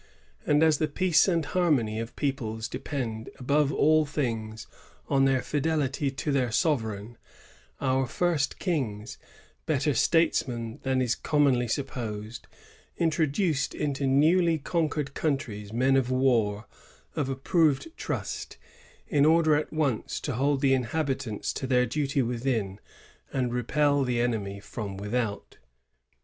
And as the peace and harmony of peoples depend above all things on their fidelity to their sovereign, our first kings, better statesmen than is commonly supposed, introduced into newly conquered countries men of war, of approved trust, in order at once to hold the inhabitants to their duty within, and repel the enemy from without."!